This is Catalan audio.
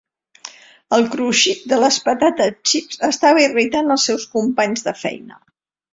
El cruixit de les patates xips estava irritant els seus companys de feina.